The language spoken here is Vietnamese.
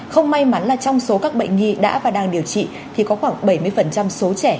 không may mắn là trong số các bệnh nhi đã và đang điều trị thì có khoảng bảy mươi số trẻ